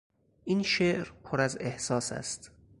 این شعر پر از احساس است.